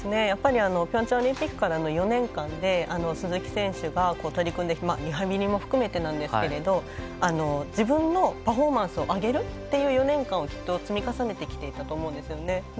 ピョンチャンオリンピックからの４年間で鈴木選手が取り組んできたリハビリも含めてなんですけど自分のパフォーマンスを上げるという４年間をきっと積み重ねてきていたと思うんですよね。